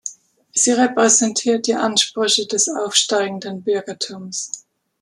Sie repräsentiert die Ansprüche des aufsteigenden Bürgertums.